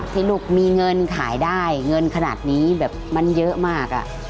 ที่ลูกมีเงินขายได้เงินขนาดนี้มันเยอะมาก